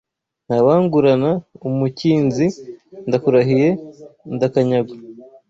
Ntawangurana umukinzi ndakurahiye ndakanyagwa